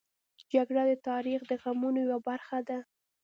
جګړه د تاریخ د غمونو یوه برخه ده